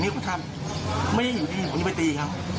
จะติดก็ต้องหมายไม่ถ้าเขาไม่มาทำอะไรกับผมก่อน